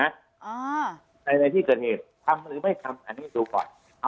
อ่าค่ะต้องค่ะประ